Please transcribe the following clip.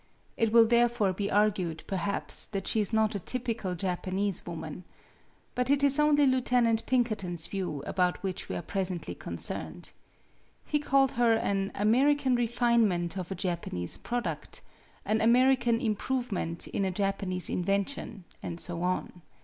It will therefore be argued, perhaps, that she is not a typical Japanese woman. But it is only Lieutenant Pinkerton's views about which we are presently concerned. He called her an American refinement of a Japanese product, an American improve ment in a Japanese invention, and so on.